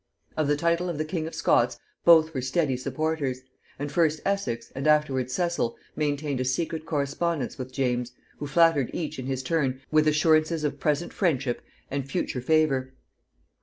Of the title of the king of Scots both were steady supporters; and first Essex and afterwards Cecil maintained a secret correspondence with James, who flattered each in his turn with assurances of present friendship and future favor.